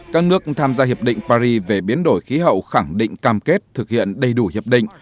các nước tham gia hiệp định paris về biến đổi khí hậu khẳng định cam kết thực hiện đầy đủ hiệp định